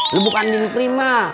lo bukan ndin prima